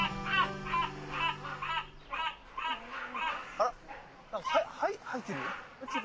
あら何か掃いてる？